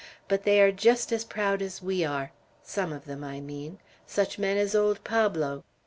But they are just as proud as we are. Some of them, I mean; such men as old Pablo.